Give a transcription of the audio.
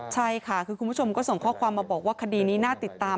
ใช่ค่ะคือคุณผู้ชมก็ส่งข้อความมาบอกว่าคดีนี้น่าติดตาม